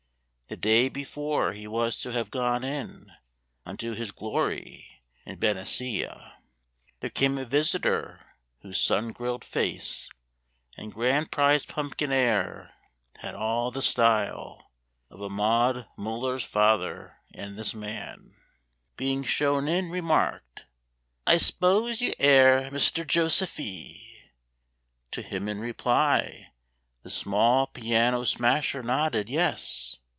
The day before he was to have gone in Unto his glory in Benicia, There came a visitor whose sun grilled face And grand prize pumpkin air had all the style Of a Maud Muller's father; and this man, Being shown in, remarked, "I s'pose you air Mister Joseephee?" To him in reply The small piano smasher nodded "Yes."